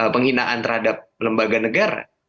penghinaan terhadap lembaga negara